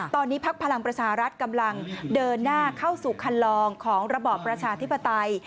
ตอนนี้พักพลังประชารัฐกำลังเดินหน้าเข้าสู่คันลองของระบอบประชาธิปไตย